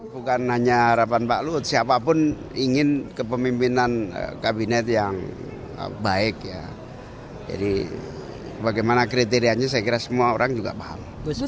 bukan hanya harapan pak luhut siapapun ingin kepemimpinan kabinet yang baik ya jadi bagaimana kriterianya saya kira semua orang juga paham